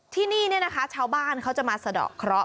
ที่นี่นะคะชาวบ้านเขาจะมาสะดอกเคราะห